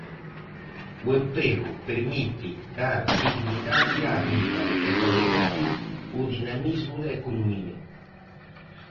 O emprego permite dar dignidade á vida e favorece o dinamismo da economía.